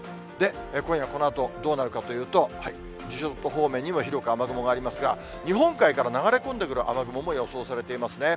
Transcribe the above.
今夜このあと、どうなるかというと、伊豆諸島方面にも広く雨雲ありますが、日本海から流れ込んでくる雨雲も予想されていますね。